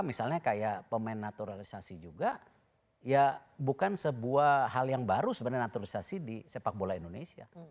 misalnya kayak pemain naturalisasi juga ya bukan sebuah hal yang baru sebenarnya naturalisasi di sepak bola indonesia